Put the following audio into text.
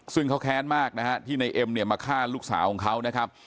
ซึ่งเขาแค้นมากนะฮะที่ในเอ็มเนี่ยมาฆ่าลูกสาวของเขานะครับ